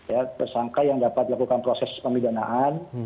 ya tersangka yang dapat dilakukan proses pemidanaan